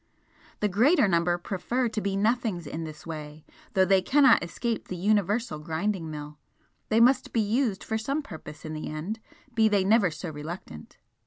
The greater number prefer to be nothings in this way, though they cannot escape the universal grinding mill, they must be used for some purpose in the end, be they never so reluctant.